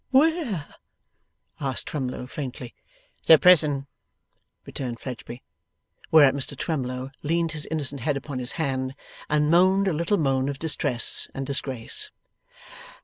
'Where?' asked Twemlow, faintly. 'To prison,' returned Fledgeby. Whereat Mr Twemlow leaned his innocent head upon his hand, and moaned a little moan of distress and disgrace.